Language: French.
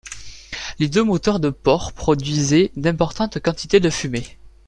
Les deux moteurs de port produisaient d'importantes quantités de fumée.